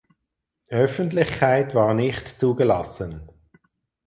Öffentlichkeit war nicht zugelassen.